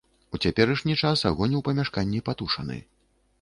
У цяперашні час агонь у памяшканні патушаны.